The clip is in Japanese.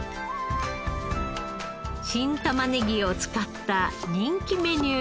新玉ねぎを使った人気メニューがこちら。